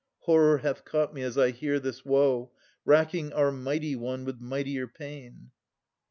Horror hath caught me as I hear this, woe, Racking our mighty one with mightier pain.